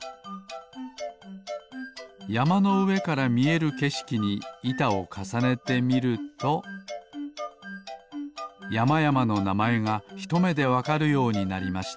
やまのうえからみえるけしきにいたをかさねてみるとやまやまのなまえがひとめでわかるようになりました